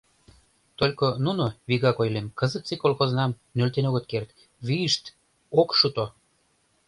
Только нуно, вигак ойлем, кызытсе колхознам нӧлтен огыт керт: вийышт ок шуто.